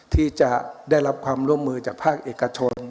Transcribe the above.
ที่จะได้รับความร่วมมือจากภาคเอกชน